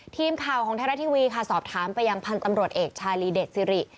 ทีมข่าวของไทยรัฐทีวีค่ะสอบถามไปยังพันธุ์ตำรวจเอกชาลีเดชสิริ